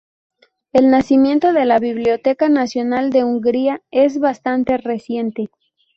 El nacimiento de la biblioteca nacional de Hungría es bastante reciente.